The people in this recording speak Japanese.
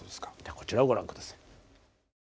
こちらをご覧下さい。